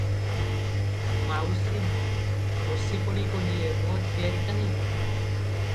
ମାଉସୀ ବସିପଡ଼ି କହିଲେ, 'ମୋ ଝିଆରୀ କାହିଁ?